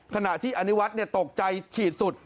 ขณะที่อนิวัฒน์ตกใจขีดสุด